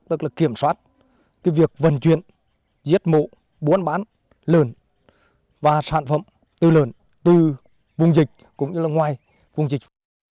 tức là kiểm soát việc vận chuyển giết mộ bốn bán lợn và sản phẩm từ lợn từ vùng dịch cũng như là ngoài vùng dịch